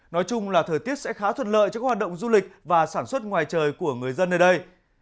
nói chung là thời tiết sẽ khá thuận lợi cho các hoạt động du lịch và sản xuất ngoài trời của người dân nơi đây